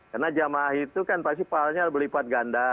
karena jamaah itu kan pasti perannya berlipat ganda